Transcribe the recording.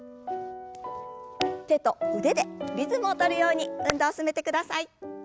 手と腕でリズムを取るように運動を進めてください。